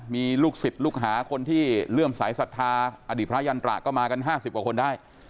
มีลูกศิษย์ลูกหาคนที่เลื่อมสายศรัทธาอดีตพระยันตระก็มากัน๕๐กว่าคนได้